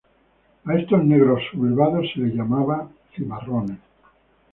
A estos negros sublevados se le llamaban "cimarrones".